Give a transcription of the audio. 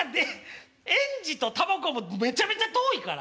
園児とタバコとめちゃめちゃ遠いから。